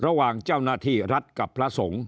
ระหว่างเจ้าหน้าที่รัฐกับพระสงฆ์